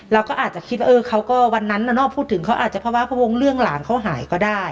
เราก็อาจจะคิดว่าวันนั้นพูดถึงเขาอาจจะภาวะพระวงเรื่องหลานเขาหายก็ได้